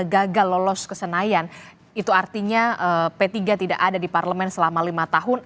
gagal lolos ke senayan itu artinya p tiga tidak ada di parlemen selama lima tahun